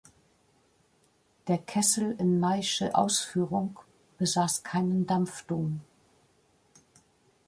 Der Kessel in Maey’sche Ausführung besass keinen Dampfdom.